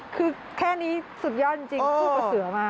คือแค่นี้สุดยอดจริงพูดกับเสือมา